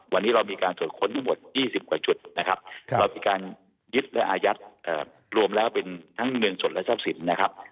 วันนี้เรามีการตรวจค้นทั้งหมด๒๐กว่าจุดนะครับเรามีการยึดและอายัดรวมแล้วเป็นทั้งเงินสดและทรัพย์สินนะครับ